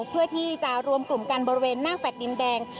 เพื่อที่จะรวมกลุ่มกันบริเวณหน้าแฟลต์ดินแดง